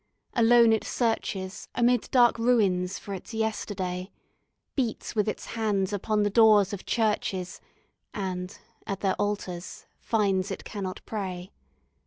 Alone it searches Amid dark ruins for its yesterday; Beats with its hands upon the doors of churches, And, at their altars, finds it cannot pray.